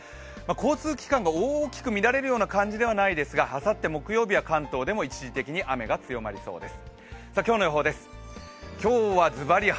交通機関が大きく乱れるような感じではないですが、あさって木曜日は関東でも一時的に雨が強まりそうです。